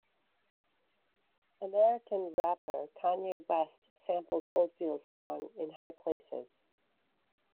American rapper Kanye West samples Oldfield's song "In High Places".